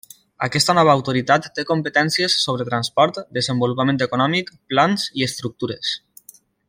Aquesta nova autoritat té competències sobre transport, desenvolupament econòmic, plans i estructures.